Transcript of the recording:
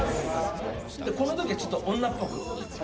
このときはちょっと女っぽく。